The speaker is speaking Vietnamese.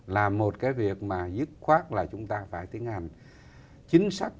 là một cái việc mà dứt khoát là chúng ta phải tiến hành chính sách